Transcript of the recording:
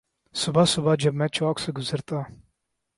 صبح صبح جب میں چوک سے گزرتا